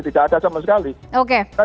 tidak ada sama sekali oke